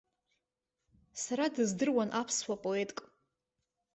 Сара дыздыруан аԥсуа поетк.